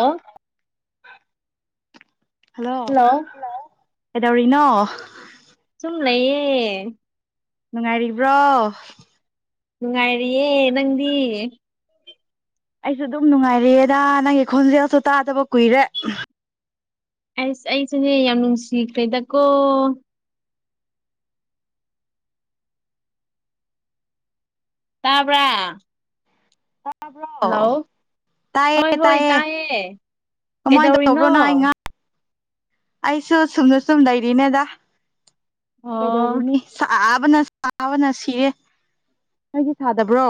ꯑꯥ hello ꯀꯩꯗꯧꯔꯤꯅꯣ ꯁꯨꯝ ꯂꯩꯌꯦ ꯅꯨꯡꯉꯥꯏꯔꯤꯕ꯭ꯔꯣ ꯅꯨꯡꯉꯥꯏꯔꯤꯌꯦ ꯅꯪꯗꯤ ꯑꯩꯁꯨ ꯑꯗꯨꯝ ꯅꯨꯡꯉꯥꯏꯔꯤꯑꯦꯗ ꯅꯪꯒꯤ ꯈꯣꯟꯖꯦꯜꯁꯨ ꯇꯥꯗꯕ ꯀꯨꯏꯔꯦ ꯑꯩꯁ ꯑꯩꯁꯨꯅꯦ ꯌꯥꯝ ꯅꯨꯡꯁꯤꯈ꯭ꯔꯦꯗꯀꯣ ꯇꯥꯕꯔꯥ ꯇꯥꯕ꯭ꯔꯣ ꯍꯣꯏ ꯇꯥꯏꯌꯦ ꯍꯣꯏ ꯇꯥꯏꯌꯦ ꯀꯃꯥꯏꯅ ꯀꯩꯗꯧꯔꯤꯅꯣ ꯇꯧꯔꯕ꯭ꯔꯣ ꯅꯍ ꯑꯩ ꯉꯥ ꯑꯩꯁꯨ ꯁꯨꯝꯗ ꯁꯨꯝ ꯂꯩꯔꯤꯅꯦꯗ ꯑꯣ ꯀꯩꯗꯧꯔꯨꯅꯤ ꯆꯕꯅ ꯁꯥꯕꯅ ꯁꯤꯔꯦ ꯅꯗꯤ ꯁꯥꯗꯕ꯭ꯔꯣ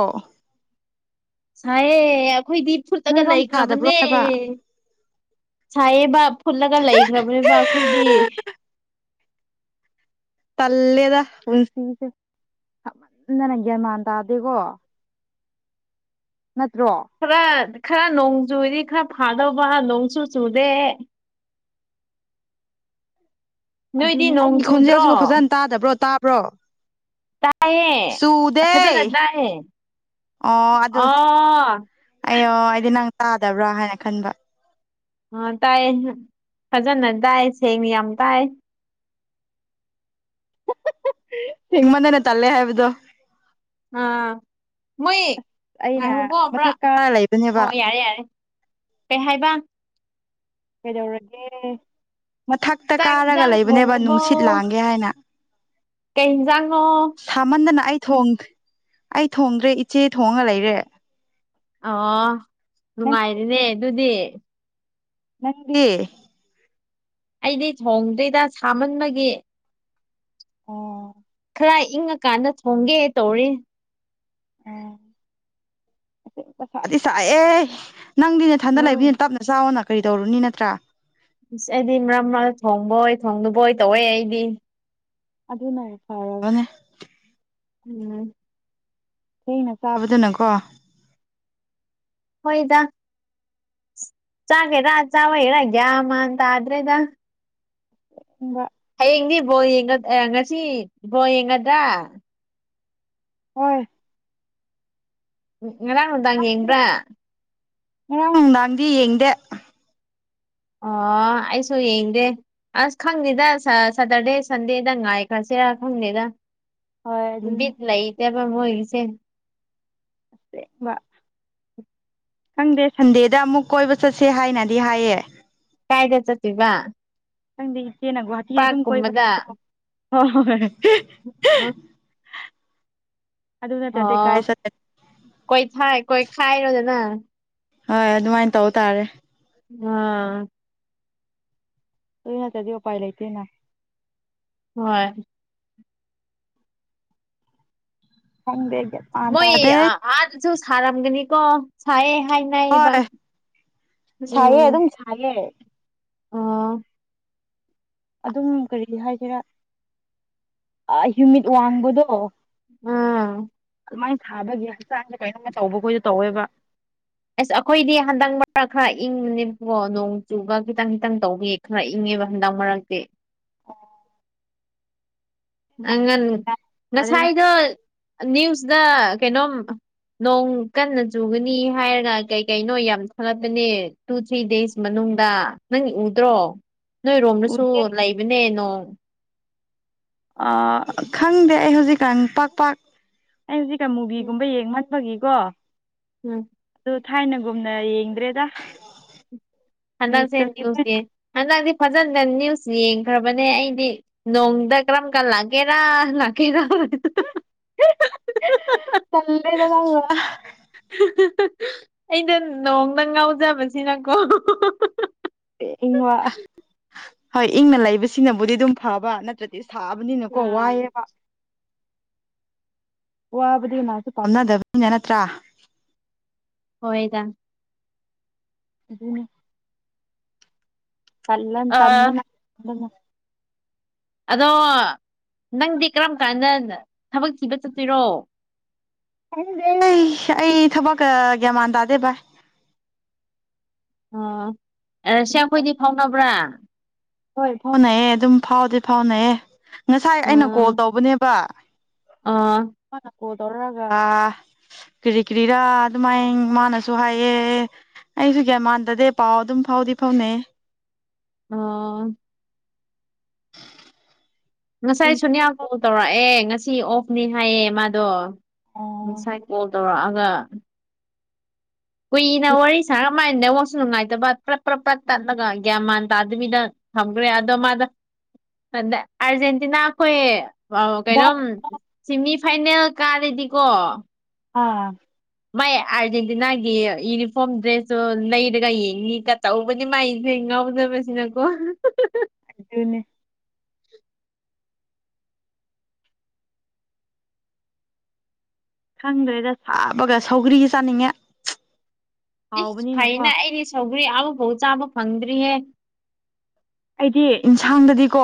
ꯁꯥꯏꯑꯦ ꯑꯩꯈꯣꯏꯗꯤ ꯐꯨꯠꯇꯒ ꯅꯣꯏꯔꯣꯝ ꯁꯥꯗꯕ꯭ꯔꯣ ꯂꯩꯈ꯭ꯔꯕꯅꯦ ꯍꯥꯏꯕ ꯁꯥꯏꯌꯦ ꯕ ꯐꯨꯠꯂꯒ ꯂꯩꯈ꯭ꯔꯕꯅꯦꯕ ꯑꯩꯈꯣꯏꯗꯤ ꯇꯂꯦꯗ ꯄꯨꯟꯁꯤꯁꯦ ꯁꯥꯃꯟꯗꯅ ꯒ꯭ꯌꯥꯃꯥꯟ ꯇꯥꯗꯦꯀꯣ ꯅꯠꯇ꯭ꯔꯣ ꯈꯔ ꯈꯔ ꯅꯣꯡ ꯆꯨꯗꯤ ꯈꯔ ꯑꯩ ꯐꯥꯗꯧꯕ ꯅꯣꯡ ꯆꯨ ꯆꯨꯗꯦ ꯅꯣꯏꯗꯤ ꯑꯗꯨꯅꯤ ꯅꯣꯡ ꯑꯩꯒꯤ ꯆꯨꯗ꯭ꯔꯣ ꯈꯣꯟꯖꯦꯜꯁꯤꯕꯨ ꯐꯖꯅ ꯇꯥꯗꯕ꯭ꯔꯣ ꯇꯥꯕ꯭ꯔꯣ ꯇꯥꯏꯌꯦ ꯆꯨꯗꯦ ꯐꯖꯅ ꯇꯥꯏꯌꯦ ꯑꯣ ꯑꯗꯨ ꯑꯣ ꯑꯩ ꯑꯣ ꯑꯩꯗꯤ ꯅꯪ ꯇꯥꯗꯕ꯭ꯔꯥ ꯍꯥꯏꯅ ꯈꯟꯕ ꯑꯣ ꯇꯥꯏ ꯐꯖꯅ ꯇꯥꯏ ꯁꯦꯡꯅ ꯌꯥꯝ ꯇꯥꯏ ꯍꯥ ꯁꯦꯡꯃꯟꯗꯅ ꯇꯂꯦ ꯍꯥꯏꯕꯗꯨ ꯑꯥ ꯃꯣꯏ ꯑꯩꯅ ꯉꯥꯏꯈꯣꯀꯣ ꯃꯊꯛ ꯀꯥꯔ ꯂꯩꯕꯅꯦꯕ ꯑꯣ ꯌꯥꯔꯦ ꯌꯥꯔꯦ ꯀꯩ ꯍꯥꯏꯕ ꯀꯩꯗꯧꯔꯒꯦ ꯃꯊꯛꯇ ꯆꯥꯛ ꯀꯥꯔꯒ ꯏꯟꯖꯥꯡ ꯂꯩꯕꯅꯦꯕ ꯅꯨꯡꯁꯤꯠ ꯂꯥꯡꯒꯦ ꯍꯥꯏꯅ ꯀꯩꯟꯖꯥꯡꯅꯣ ꯁꯥꯃꯟꯗꯅ ꯑꯩ ꯑꯩ ꯊꯣꯡꯗ꯭ꯔꯦ ꯏꯆꯦ ꯊꯣꯡꯉꯥ ꯂꯩꯔꯦ ꯑꯣ ꯅꯪꯗꯤ ꯅꯨꯡꯉꯥꯏꯔꯤꯅꯦ ꯑꯗꯨꯗꯤ ꯅꯪꯗꯤ ꯑꯩꯗꯤ ꯊꯣꯡꯗꯣꯏꯗ ꯁꯥꯃꯟꯕꯒꯤ ꯑꯣ ꯈꯔ ꯏꯪꯉꯀꯥꯟꯗ ꯊꯣꯡꯒꯦ ꯇꯧꯔꯤ ꯎꯝ ꯃꯊꯥꯗꯤ ꯁꯥꯏꯌꯦ ꯅꯪꯗꯤꯅꯦꯊꯟꯗ ꯎꯝ ꯂꯩꯕꯤꯅꯤꯅ ꯇꯞꯅ ꯆꯥꯎꯅ ꯀꯔꯤ ꯇꯧꯔꯨꯅꯤ ꯅꯠꯇ꯭ꯔꯥ ꯑꯁ ꯑꯩꯗꯤ ꯃꯔꯛ ꯃꯔꯛ ꯊꯣꯡꯕꯣꯏ ꯊꯣꯡꯗꯕꯣꯏ ꯇꯧꯋꯦ ꯑꯩꯗꯤ ꯑꯗꯨꯅ ꯐꯔꯕꯅꯦ ꯎꯝ ꯊꯩꯅ ꯆꯥꯕꯗꯨꯅꯀꯣ ꯍꯣꯏꯗ ꯆꯥꯒꯦꯔ ꯆꯔꯣꯏꯔ ꯒꯌꯥꯟ ꯃꯟ ꯇꯥꯗꯨ꯭ꯔꯦꯗ ꯃꯥ ꯍꯌꯦꯡꯗꯤ ꯕꯣꯡꯒ ꯉꯁꯤ ꯕꯣꯜ ꯌꯦꯡꯒꯗ꯭ꯔꯥ ꯍꯣꯏ ꯎ ꯉꯔꯥꯡ ꯅꯨꯡꯗꯥꯥꯡ ꯈꯪꯗꯦ ꯌꯦꯡꯕ꯭ꯔꯥ ꯉꯔꯥꯡ ꯅꯨꯡꯗꯥꯡꯗꯤ ꯌꯦꯡꯗꯦ ꯑꯣ ꯑꯩꯁꯨ ꯌꯦꯡꯗꯦ ꯑꯁ ꯈꯪꯗꯦꯗ ꯁꯦꯇꯔꯗꯦ ꯁꯟꯗꯦꯗ ꯉꯥꯏꯈ꯭ꯔꯁꯦꯔ ꯈꯪꯗꯦꯗ ꯍꯣꯏ ꯑꯗꯨꯅꯤ ꯕꯤꯠ ꯂꯩꯇꯦꯗ ꯃꯣꯏꯒꯤꯁꯦ ꯑꯦꯕꯥ ꯈꯪꯗꯦ ꯁꯟꯗꯦꯗ ꯑꯃꯨꯛ ꯀꯣꯏꯕ ꯆꯠꯁꯦ ꯍꯥꯏꯅꯗꯤ ꯍꯥꯏꯌꯦ ꯀꯥꯏꯗ ꯆꯠꯇꯣꯏꯕ ꯈꯪꯗꯤ ꯏꯆꯦꯅ ꯒꯨꯍꯥꯇꯤꯗ ꯑꯗꯨꯝ ꯀꯣꯏꯕ ꯄꯥꯔꯛꯀꯨꯝꯕꯗ ꯍꯣꯏ ꯍꯣꯏꯣꯏ ꯑ ꯑꯣ ꯀꯥꯏ ꯆꯠꯀꯅꯤ ꯀꯣꯏ ꯊꯥꯏ ꯀꯣꯏ ꯈꯥꯏꯔꯣꯗꯅ ꯍꯣꯏ ꯑꯗꯨꯃꯥꯏꯅ ꯇꯧ ꯇꯥꯔꯦ ꯎꯝ ꯇꯨꯅ ꯇꯗꯤ ꯎ ꯄꯥꯏ ꯂꯩꯇꯦꯅ ꯍꯣꯏ ꯈꯪꯗꯦ ꯒ꯭ꯌꯥꯟ ꯃꯥꯟ ꯃꯣꯏ ꯇꯥꯗꯦ ꯑꯥꯗꯖꯨ ꯁꯔꯥꯝꯒꯅꯤ ꯀꯣ ꯁꯥꯏꯌꯦ ꯍꯥꯏꯅꯕ ꯍꯣꯏ ꯁꯥꯏꯌꯦ ꯎꯝ ꯑꯗꯨꯝ ꯁꯥꯏꯌꯦ ꯑꯥ ꯑꯗꯨꯝ ꯀꯔꯤ ꯍꯥꯏꯒꯦꯔꯥ ꯍ꯭ꯌꯨꯃꯤꯠ ꯋꯥꯡꯕꯗꯣ ꯎꯝ ꯑꯗꯨꯃꯥꯏꯅ ꯁꯥꯕꯒꯤ ꯍꯛꯆꯥꯡꯗ ꯀꯩꯅꯣꯝꯃ ꯇꯧꯕꯈꯣꯏꯗ ꯇꯧꯋꯦꯕ ꯑꯁ ꯑꯩꯈꯣꯏꯗꯤ ꯍꯟꯗꯛ ꯃꯔꯛ ꯈꯔ ꯏꯪꯕꯅꯦꯕꯀꯣ ꯅꯣꯡ ꯆꯨꯕ ꯈꯤꯇꯪ ꯈꯤꯇꯪ ꯇꯧꯕꯤꯌꯦ ꯈꯔ ꯏꯪꯉꯦꯕ ꯍꯟꯗꯛ ꯃꯔꯛꯇꯤ ꯑꯉꯟ ꯒ꯭ꯌꯥꯟ ꯇꯥꯗꯦꯗ ꯉꯁꯥꯏꯗꯣ ꯅ꯭ꯌꯨꯁꯇ ꯀꯩꯅꯣꯝ ꯅꯣꯡ ꯀꯟꯅ ꯆꯨꯒꯅꯤ ꯍꯥꯏꯔꯒ ꯀꯩ ꯀꯩꯅꯣ ꯌꯥꯝ ꯊꯥꯒꯠꯄꯅꯦ ꯇꯨ ꯊ꯭ꯔꯤ ꯗꯦꯖ ꯃꯅꯨꯡ ꯅꯨꯡꯗ ꯅꯪ ꯎꯗ꯭ꯔꯣ ꯅꯣꯏꯔꯣꯝꯗꯁꯨ ꯎꯗꯦ ꯂꯩꯕꯅꯦ ꯅꯣꯡ ꯑꯥ ꯈꯪꯗꯦ ꯑꯩ ꯍꯧꯖꯤꯛꯀꯥꯟ ꯄꯥꯛꯄꯥꯛꯥꯛ ꯑꯩ ꯍꯧꯖꯤꯛꯀꯥꯟ ꯃꯨꯚꯒꯨꯝꯕ ꯌꯦꯡꯃꯟ ꯆꯒꯤꯀꯣ ꯎꯝ ꯑꯗꯨ ꯊꯥꯏꯅꯒꯨꯝꯅ ꯌꯦꯡꯗ꯭ꯔꯦꯗ ꯍꯟꯗꯛꯁꯦ ꯅ꯭ꯌꯨꯁꯀꯁꯦ ꯂꯣꯏ ꯅꯤꯌꯨꯁꯗꯦ ꯍꯟꯗꯛ ꯐꯖꯅ ꯅ꯭ꯌꯨꯁ ꯌꯦꯡꯈ꯭ꯔꯕꯅꯦ ꯑꯩꯗꯤ ꯅꯣꯡꯗ ꯀꯔꯝ ꯀꯥꯟ ꯂꯥꯛꯀꯦꯔꯥ ꯂꯥꯛꯀꯦꯔꯥ ꯇꯜꯂꯦꯗ ꯅꯪꯅ ꯑꯩꯅ ꯅꯣꯡꯗ ꯉꯥꯎꯖꯕꯁꯤꯅꯀꯣ ꯏꯪ ꯍꯣꯏ ꯏꯪꯅ ꯂꯩꯕꯁꯤꯡꯅꯕꯨꯗꯤ ꯑꯗꯨꯝ ꯐꯕ ꯅꯠꯇ꯭ꯔꯗꯤ ꯊꯛꯑꯕꯅꯤꯅꯀꯣ ꯎꯝ ꯋꯥꯏꯑꯦꯕ ꯋꯥꯕꯨꯗꯤ ꯉꯁꯨ ꯄꯥꯝꯅꯗꯕꯅꯤꯅ ꯅꯠꯇ꯭ꯔꯥ ꯑꯣꯏꯣꯏꯗ ꯎꯝ ꯀꯜꯟ ꯑ ꯇꯟꯕꯅ ꯑꯗꯣ ꯅꯪꯗꯤ ꯀꯔꯝ ꯀꯥꯟꯗ ꯊꯕꯛ ꯊꯤꯕ ꯆꯠꯇꯣꯏꯔꯣ ꯑꯩꯗꯤ ꯑꯩ ꯑꯩ ꯊꯕꯛꯀ ꯒ꯭ꯌꯥꯃꯥꯟ ꯇꯥꯗꯦ ꯚꯥꯏ ꯑꯣ ꯁꯤ ꯑꯗꯨꯝ ꯑꯩꯈꯣꯏꯗꯤ ꯐꯥꯎꯅꯕ꯭ꯔꯥ ꯍꯣꯏ ꯐꯥꯎꯅꯩꯌꯦ ꯑꯗꯨꯝ ꯐꯥꯎꯗꯤꯦ ꯐꯥꯎꯅꯩꯑꯌꯦ ꯉꯁꯥꯏ ꯑꯩꯅ ꯀꯣꯜ ꯇꯧꯕꯅꯦꯕ ꯑꯥ ꯃꯥꯅ ꯀꯣꯜ ꯇꯧꯔꯛꯑꯒ ꯀꯔꯤ ꯀꯔꯤꯔꯥ ꯑꯗꯨꯃꯥꯏ ꯃꯥꯅꯁꯨ ꯍꯥꯏꯌꯦ ꯑꯩꯁꯨ ꯀꯒꯌꯥ ꯃꯥꯟꯗꯗꯦ ꯄꯥꯎ ꯑꯗꯨꯝ ꯐꯥꯎꯗꯤ ꯐꯥꯎꯅꯩ ꯑꯥ ꯉꯁꯥꯏ ꯄꯨꯟꯁꯤ ꯁꯣꯅꯤꯌꯥ ꯐꯥꯎ ꯀꯣꯜ ꯇꯧꯔꯛꯑꯦ ꯉꯁꯥꯏ ꯁꯤ ꯑꯣꯐꯅꯤ ꯍꯥꯏꯌꯦ ꯃꯥꯗꯣ ꯑꯣ ꯉꯁꯥꯏ ꯀꯣꯜ ꯇꯧꯔꯛꯑꯒ ꯀꯨꯏꯅ ꯋꯥꯔꯤ ꯁꯥꯔ ꯀꯃꯥꯏꯅ ꯅꯦꯋꯥꯛꯁꯨ ꯅꯨꯡꯉꯥꯏꯇꯕ ꯄ꯭ꯔꯞ ꯄ꯭ꯔꯞ ꯄ꯭ꯔꯞ ꯇꯠꯂꯒ ꯒ꯭ꯌꯥꯟ ꯃꯥꯟ ꯇꯥꯗꯕꯤꯗ ꯊꯝꯈ꯭ꯔꯦ ꯑꯗꯣ ꯃꯥꯗ ꯑ ꯑꯔꯖꯦꯟꯇꯤꯅꯥ ꯈꯣꯏ ꯑꯣ ꯚꯥꯏ ꯀꯩꯅꯣꯝ ꯁꯤꯃꯤ ꯐꯥꯏꯅꯦꯜ ꯀꯥꯔꯦꯗꯤꯀꯣ ꯑꯥ ꯃꯥꯏ ꯑꯥꯔꯖꯦꯟꯇꯤꯅꯥꯒꯤ ꯌꯨꯅꯤꯐꯣꯔꯝ ꯗ꯭ꯔꯦꯁꯁꯨꯨ ꯂꯩꯔꯒ ꯌꯦꯡꯅꯤꯒ ꯇꯧꯕꯅꯤ ꯃꯥꯏ ꯉꯥꯎꯖꯕꯁꯤꯅꯀꯣ ꯑꯗꯨꯅꯦ ꯈꯪꯗ꯭ꯔꯦꯗ ꯁꯥꯕꯒ ꯁꯧꯒ꯭ꯔꯤꯒ ꯆꯥꯅꯤꯡꯉꯦ ꯏꯁ ꯍꯥꯎꯕꯅꯤꯅꯀꯣ ꯐꯩꯅ ꯑꯩꯗꯤ ꯁꯒ꯭ꯔꯤ ꯑꯥꯕꯐꯧ ꯆꯥꯕ ꯐꯪꯗ꯭ꯔꯤꯍꯦ ꯑꯩꯗꯤ ꯌꯦꯟꯁꯥꯡꯗꯗꯤꯀꯣ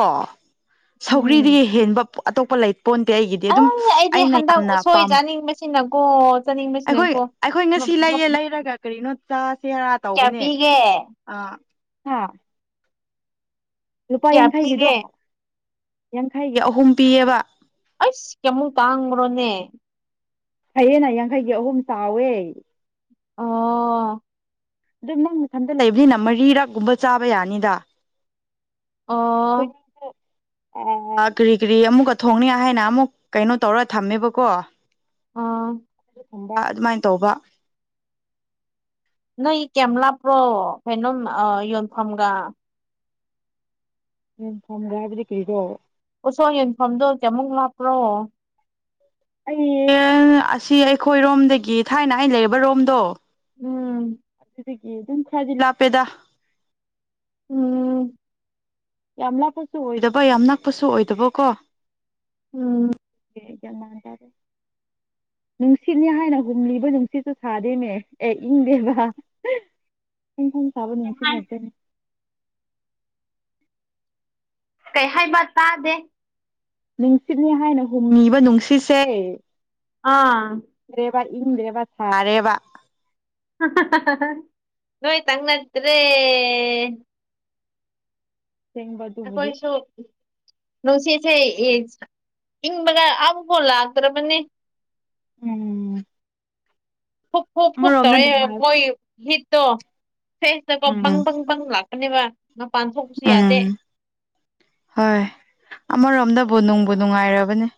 ꯁꯧꯒ꯭ꯔꯤ ꯎꯝ ꯍꯦꯟꯕ ꯑꯇꯣꯞꯄ ꯂꯩꯇ ꯄꯣꯟꯗꯦ ꯑꯩꯒꯤꯗꯤ ꯑ ꯑꯗꯨꯝ ꯑꯩꯅ ꯌꯥꯝꯅ ꯄꯥꯝ ꯑꯩꯅꯀꯣ ꯑꯩꯈꯣꯏ ꯆꯠꯅꯤꯡꯕꯁꯤꯅꯀꯣ ꯑꯩꯈꯣꯏ ꯕꯦꯔꯥ ꯇꯧꯕꯅꯦ ꯑꯥ ꯍꯥ ꯂꯨꯄꯥ ꯀꯌꯥ ꯌꯥꯡꯈꯩꯒꯤꯗꯣ ꯄꯤꯒꯦ ꯌꯥꯡꯈꯩꯒꯤ ꯑꯍꯨꯝ ꯄꯤꯌꯦꯕ ꯑꯁ ꯀꯌꯥꯃꯨꯛ ꯇꯥꯡꯕꯅꯣꯅꯦ ꯐꯩꯌꯦꯡꯅ ꯌꯥꯡꯈꯩꯒꯤ ꯑꯍꯨꯝ ꯆꯥꯎꯋꯦ ꯑꯣ ꯑꯗꯨꯣ ꯅꯪ ꯃꯊꯟꯇ ꯂꯩꯕꯅꯤꯅ ꯃꯔꯤꯔꯛꯒꯨꯝꯕ ꯆꯥꯕ ꯌꯥꯅꯤꯗ ꯑꯣ ꯑꯣ ꯀꯔꯤ ꯀꯔꯤ ꯑꯃꯨꯛꯀ ꯊꯣꯡꯅꯤ ꯍꯥꯏꯅ ꯑꯃꯨꯛ ꯀꯩꯅꯣ ꯇꯧꯔ ꯊꯝꯃꯦꯕꯀꯣ ꯑꯥ ꯕ ꯑꯗꯨꯃꯥꯏꯅ ꯇꯧꯕ ꯅꯣꯏ ꯀꯦꯂꯥ ꯄ꯭ꯔꯣ ꯀꯩꯅꯣꯝ ꯌꯣꯟꯐꯝꯒ ꯎ ꯐꯝꯒ꯭ꯔꯦ ꯍꯥꯏꯕꯗꯤ ꯀꯔꯤꯔꯣ ꯎꯁꯣ ꯌꯟꯐꯝꯝꯗꯣ ꯀꯌꯥꯃꯨꯛ ꯂꯥꯛꯞꯄ꯭ꯔꯣ ꯑꯩ ꯑꯁꯤ ꯑꯩꯈꯣꯏ ꯔꯣꯝꯗꯒꯤ ꯊꯥꯏꯅ ꯑꯩꯅ ꯂꯩ ꯔꯣꯝꯗꯣ ꯎꯝ ꯑꯗꯨꯗꯒꯤ ꯑꯗꯨꯝ ꯈꯔꯗꯤ ꯂꯥꯞꯄꯦꯗ ꯎꯝ ꯌꯥꯝ ꯂꯥꯞꯄꯁꯨ ꯑꯣꯏꯗꯕ ꯌꯥꯝ ꯅꯛꯄꯁꯨ ꯑꯣꯏꯗꯕꯀꯣ ꯎꯝ ꯌꯥꯝꯃꯥꯟ ꯇꯔꯦ ꯅꯨꯡꯁꯤꯠꯅꯦ ꯍꯥꯏꯅꯒꯨꯝꯂꯤꯕ ꯅꯨꯡꯁꯤꯠꯇꯨ ꯁꯥꯗꯦꯃꯦ ꯑꯦ ꯏꯪꯗꯦꯕ ꯐꯣꯡ ꯐꯣꯡ ꯁꯥꯕꯅꯅꯨꯡꯁꯤꯠ ꯉꯛꯇꯅꯤ ꯀꯩ ꯍꯥꯏꯕ ꯇꯥꯗꯦ ꯅꯨꯡꯁꯤꯠꯅꯦ ꯍꯥꯏꯅ ꯍꯣꯡꯉꯤꯕ ꯅꯨꯡꯁꯤꯠꯁꯦ ꯑꯥ ꯕ ꯏꯟꯗ꯭ꯔꯦꯕ ꯁꯥꯔꯦꯕ ꯅꯣꯏꯣꯏ ꯇꯪꯅꯇ꯭ꯔꯦ ꯊꯢꯕ ꯇꯕꯨꯗꯤꯦ ꯅꯨꯡ ꯁꯤꯁꯦ ꯏꯪꯕꯒ ꯑꯝꯐꯧ ꯂꯛꯇꯔꯕꯅꯦ ꯎꯝ ꯐꯨꯛ ꯐꯨꯛ ꯐꯨꯛ ꯑꯃꯔꯣꯝꯗ ꯇꯧꯋꯦ ꯅꯨꯡꯉꯥꯏ ꯃꯣꯏꯒꯤ ꯍꯤꯠꯇꯣ ꯐꯦꯁꯇꯀꯣ ꯕꯪ ꯎꯝ ꯕꯪ ꯕꯪ ꯂꯥꯛꯀꯅꯦꯕ ꯃꯄꯥꯟ ꯊꯣꯛꯄꯁꯨ ꯌꯥꯗꯦ ꯎꯝ ꯕꯨ ꯅꯨꯡꯕꯨ ꯅꯨꯡꯉꯥꯏꯔꯕꯅꯦ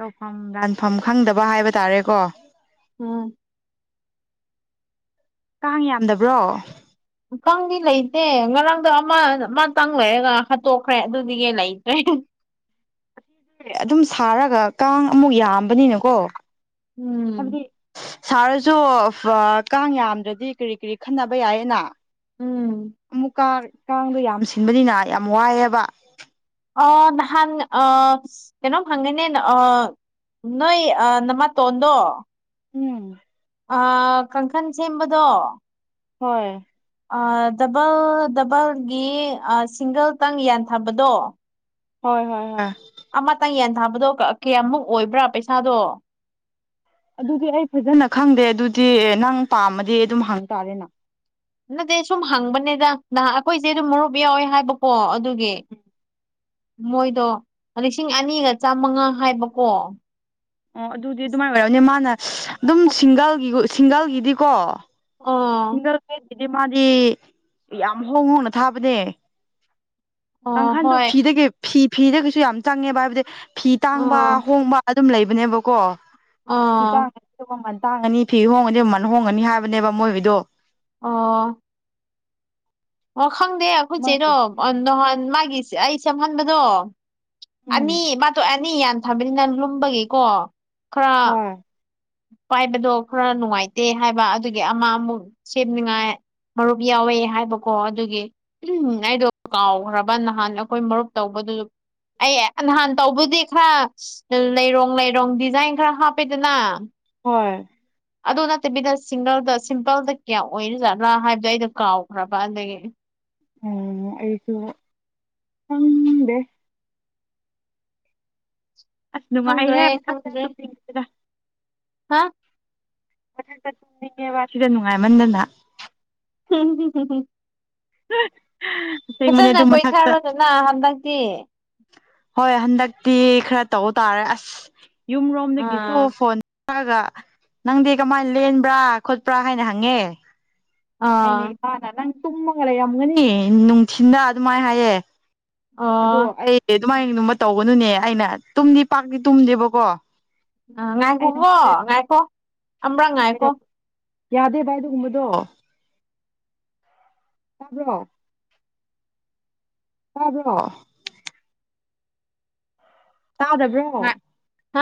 ꯇꯧꯐꯝ ꯂꯥꯟꯐꯝ ꯈꯪꯗꯕ ꯍꯥꯏꯕ ꯇꯥꯔꯦꯀꯣ ꯎꯝ ꯀꯥꯡ ꯌꯥꯝꯗꯕ꯭ꯔꯣ ꯈꯪꯗꯤ ꯂꯩꯇꯦ ꯉꯔꯥꯡꯗꯣ ꯑꯃ ꯑꯃꯇꯪ ꯂꯩꯔꯒ ꯍꯥꯠꯇꯣꯛꯈ꯭ꯔꯦ ꯑꯗꯨꯗꯤꯒ ꯂꯩꯇ꯭ꯔꯦ ꯍꯣꯏ ꯑꯗꯨꯝ ꯁꯥꯔꯒ ꯀꯥꯡ ꯑꯃꯨꯛ ꯌꯥꯝꯕꯅꯤꯅꯀꯣ ꯍꯥꯏꯕꯗꯤ ꯎꯝ ꯁꯥꯔꯁꯨ ꯀꯥꯡ ꯌꯥꯝꯗ꯭ꯔꯗꯤ ꯀꯔꯤ ꯀꯔꯤ ꯈꯟꯅꯕ ꯌꯥꯏꯌꯦꯅ ꯎꯝ ꯑꯃꯨꯛꯀ ꯀꯥꯡꯗꯣ ꯌꯥꯝ ꯁꯤꯟꯕꯅꯤꯅ ꯌꯥꯝ ꯋꯥꯏꯑꯦꯕ ꯑꯥ ꯅꯍꯥꯟ ꯑꯥ ꯀꯩꯅꯣꯝ ꯍꯪꯒꯦꯅꯦ ꯑꯥ ꯅꯣꯏ ꯑꯥ ꯅꯃ ꯇꯣꯟꯗꯣ ꯎꯝ ꯑ ꯀꯥꯡꯈꯟ ꯁꯦꯝꯕꯗꯣ ꯍꯣꯏ ꯗꯕꯜ ꯗꯕꯜꯒꯤ ꯁꯤꯡꯒꯜꯇꯪ ꯌꯥꯟꯊꯕꯗꯣ ꯍꯣꯏ ꯍꯣꯏ ꯍꯣꯏ ꯑꯃꯇꯪ ꯌꯦꯟ ꯊꯥꯕꯗꯣ ꯀꯌꯥꯃꯨꯛ ꯑꯣꯏꯕ꯭ꯔꯥ ꯄꯩꯁꯥꯗꯣ ꯑꯗꯨꯗꯤ ꯑꯩ ꯐꯖꯅ ꯈꯪꯗꯦ ꯑꯗꯨꯗꯤ ꯅꯪ ꯄꯥꯝꯃꯗꯤ ꯑꯗꯨꯝ ꯍꯪꯇꯥꯥꯔꯦꯅ ꯅꯠꯇꯦ ꯁꯨꯝ ꯍꯪꯕꯅꯦꯗ ꯅꯍ ꯑꯩꯈꯣꯏꯁꯦ ꯑꯗꯨꯝ ꯃꯔꯨꯞ ꯌꯥꯎꯋꯦ ꯍꯥꯏꯕꯀꯣ ꯑꯗꯨ ꯒꯤ ꯃꯣꯏꯗꯣ ꯂꯤꯁꯤꯡ ꯑꯅꯤꯒ ꯆꯥꯃꯉꯥ ꯍꯥꯏꯕꯀꯣ ꯑꯣ ꯑꯗꯨꯗꯤ ꯑꯗꯨꯃꯥꯏꯅ ꯑꯣꯏꯔꯝꯅꯦ ꯃꯥꯅ ꯑꯗꯨꯝ ꯁꯤꯡꯒꯜꯒꯤ ꯁꯤꯡꯒꯜꯒꯤꯗꯤꯀꯣ ꯑꯣ ꯁꯤꯡꯒꯜ ꯕꯦꯗꯀꯤꯗꯤ ꯃꯥꯗꯤ ꯌꯥꯝ ꯍꯣꯡ ꯍꯣꯡꯅ ꯊꯥꯕꯅꯦ ꯑꯣ ꯀꯥꯡꯈꯜꯗꯣ ꯍꯣꯏ ꯐꯤꯗꯒꯤ ꯐꯤ ꯐꯤꯗꯒꯤꯁꯨ ꯌꯥꯝ ꯆꯪꯉꯦꯕ ꯍꯥꯏꯕꯗꯤ ꯐꯤ ꯇꯥꯡꯕ ꯑꯣ ꯍꯣꯡꯕ ꯑꯗꯨꯝ ꯂꯩꯕꯅꯦꯕꯀꯣ ꯑꯣ ꯇꯥꯡꯉꯅꯤ ꯐꯤ ꯍꯣꯡꯉꯅꯤ ꯃꯃꯜ ꯍꯣꯡꯉꯅꯤ ꯍꯥꯏꯕꯅꯦꯕ ꯃꯣꯏꯒꯤꯗꯣ ꯑꯣ ꯑꯣ ꯈꯪꯗꯦ ꯑꯩꯈꯣꯏꯆꯦꯗꯣ ꯅꯍꯥꯟ ꯃꯥꯒꯤ ꯑꯩ ꯁꯝꯍꯟꯕꯗꯣ ꯎꯝ ꯑꯅꯤ ꯃꯗꯣꯏ ꯑꯅꯤ ꯌꯥꯟꯊꯕꯅꯤꯅ ꯂꯨꯝꯕꯒꯤꯀꯣ ꯈꯔ ꯍꯣꯏ ꯄꯥꯏꯕꯗꯣ ꯈꯔ ꯅꯨꯡꯉꯥꯏꯇꯦ ꯍꯥꯏꯕ ꯑꯗꯨꯒꯤ ꯑꯃ ꯑꯃꯨꯛ ꯁꯦꯝꯅꯤꯉꯥꯏ ꯃꯔꯨꯞ ꯌꯥꯎꯋꯦ ꯍꯥꯏꯕꯀꯣ ꯑꯗꯨꯒꯤ ꯎ ꯑꯩꯗꯣ ꯀꯥꯎꯈ꯭ꯔꯕ ꯅꯍꯥꯟ ꯑꯩꯈꯣꯏ ꯃꯔꯨꯞ ꯇꯧꯕ ꯑꯗꯨ ꯑꯩ ꯅꯍꯥꯟ ꯇꯧꯕꯗꯤ ꯈꯔ ꯂꯩꯔꯣꯡ ꯂꯩꯔꯣꯡ ꯗꯤꯖꯥꯏꯟ ꯈꯔ ꯍꯥꯞꯄꯦꯗꯅ ꯍꯣꯏ ꯑꯗꯨ ꯅꯠꯇꯕꯤꯗ ꯁꯤꯡꯒꯜꯗ ꯁꯤꯝꯄꯜꯗ ꯀꯌꯥ ꯑꯣꯏꯔꯤꯖꯥꯠꯂꯥ ꯍꯥꯏꯕꯗꯣ ꯑꯩꯗꯣ ꯀꯥꯎꯈ꯭ꯔꯕ ꯑꯗꯒꯤ ꯑ ꯑꯩꯁꯨ ꯈꯗꯦ ꯑꯁ ꯅꯨꯡꯉꯥꯏꯍꯦ ꯈꯪꯗ꯭ꯔꯦ ꯃꯊꯛꯇ ꯈꯪꯗ꯭ꯔꯦ ꯇꯨꯝꯅꯤꯡꯏꯗ ꯍꯥ ꯃꯊꯛꯇ ꯇꯨꯝꯅꯤꯡꯉꯦꯕ ꯁꯤꯗ ꯅꯨꯡꯉꯥꯏꯃꯟꯗꯅ ꯍꯝ [unintelligible] ꯎꯝ ꯐꯖꯅ ꯀꯣꯏꯊꯔꯣꯗꯅ ꯍꯟꯗꯛꯇꯤ ꯍꯣꯏ ꯍꯟꯗꯛꯇꯤ ꯈꯔ ꯇꯧꯕ ꯇꯥꯔꯦ ꯑꯁ ꯌꯨꯝ ꯔꯣꯝꯗꯒꯤꯁꯨ ꯑꯥ ꯐꯣꯟ ꯒ ꯅꯪꯗꯤ ꯀꯃꯥꯏꯅ ꯂꯦꯟꯕ꯭ꯔꯥ ꯈꯣꯠꯄ꯭ꯔꯥ ꯍꯥꯏꯅ ꯍꯪꯉꯦ ꯑꯩꯅ ꯑꯣ ꯏꯄꯥꯅ ꯅꯪ ꯇꯨꯝꯃꯒ ꯂꯩꯔꯝꯒꯅꯤ ꯅꯨꯡꯊꯤꯟꯗ ꯑꯗꯨꯃꯥꯏꯅ ꯍꯥꯏꯌꯦ ꯑꯥ ꯑꯗꯨꯃꯥꯏꯅ ꯑꯗꯨꯃ ꯇꯧꯒꯅꯨꯅꯦ ꯑꯩꯅ ꯇꯨꯝꯗꯤ ꯄꯥꯛꯇꯤ ꯇꯨꯝꯗꯦꯕꯀꯣ ꯑꯥ ꯑꯩꯅ ꯉꯥꯏꯈꯣꯀꯣ ꯉꯥꯏꯈꯣ ꯑꯝꯕ꯭ꯔꯛ ꯉꯥꯏꯀꯣ ꯌꯥꯗꯦ ꯚꯥꯏ ꯑꯗꯨꯒꯨꯝꯕꯗꯣ ꯆꯕ꯭ꯔꯣ ꯇꯥꯕꯔꯣ ꯇꯥꯗꯕ꯭ꯔꯣ ꯉꯥꯏ ꯍꯥ